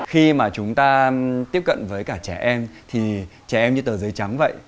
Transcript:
khi mà chúng ta tiếp cận với cả trẻ em thì trẻ em như tờ giấy trắng vậy